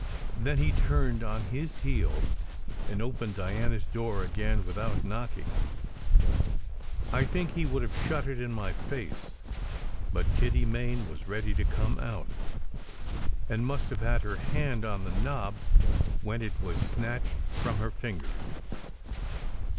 Then he turned on his heel, and opened Diana s door again without knocking. I think he would have shut it in my face; but Kitty Main was ready to come out, and must have had her hand on the knob when it was snatched from her fingers.